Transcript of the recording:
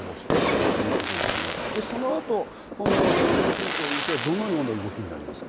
そのあと今村、藤田容疑者はどのような動きになりますか？